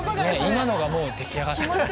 今のが出来上がってた。